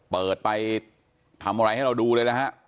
เปิดไปทำอะไรให้เราดูเลยนะฮะ